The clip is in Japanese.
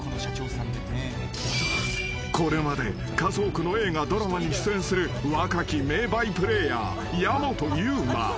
［これまで数多くの映画ドラマに出演する若き名バイプレーヤー］